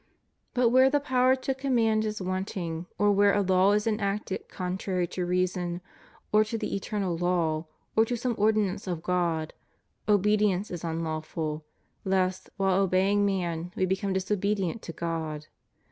But where the power to command is wanting, or where a law is enacted contrary to reason, or to the eternal law, or to some ordinance of God, obedience is unlawful, lest, while obeying man, we become disobedient to God.